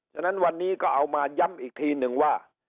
ฉะนั้นวันนี้ก็เอามาย้ำอีกทีหนึ่งว่า